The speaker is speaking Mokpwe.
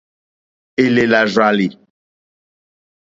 Èlèlà rzàlì.